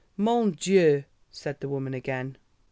"Mon Dieu!" said the woman again.